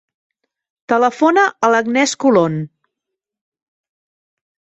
Telefona a l'Agnès Colon.